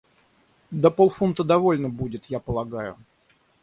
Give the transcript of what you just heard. Да полфунта довольно будет, я полагаю.